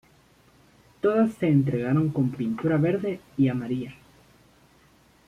Todas se entregaron con pintura verde y amarilla.